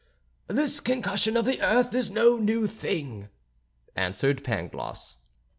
"This concussion of the earth is no new thing," answered Pangloss.